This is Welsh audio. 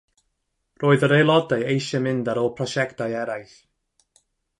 Roedd yr aelodau eisiau mynd ar ôl prosiectau eraill.